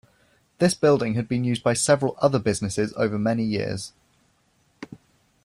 This building had been used for several other businesses over many years.